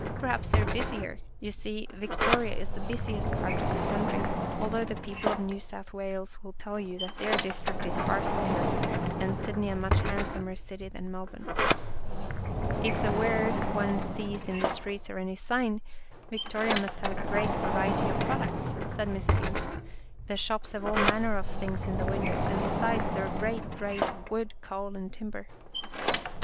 " Perhaps they are busier. You see Victoria is the busiest part of this country, al though the people of New South Wales will tell " Land !" 5 you that their district is far superior and Sydney a much handsomer city than Melbourne." "If the wares one sees in the streets are any sign, Victoria must have a great variety of prod ucts," said Mrs. Hume. " The shops have all manner of things in the windows, and besides there are great drays of wood, coal and timber."